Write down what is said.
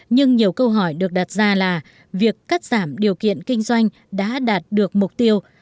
nhưng nhiều câu hỏi được đặt ra là việc cắt giảm điều kiện kinh doanh đã đạt được mục tiêu